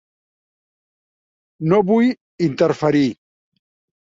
No vull interferir.